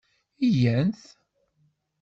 Ɛyant.